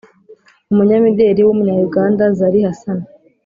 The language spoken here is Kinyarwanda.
umunyamideli w’umunya-uganda, zari hassan,